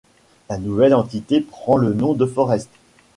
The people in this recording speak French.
La nouvelle entité prend le nom de Foreste.